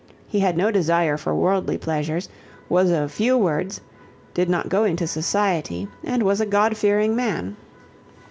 He had no desire for worldly pleasures, was of few words, did not go into society and was a God fearing man.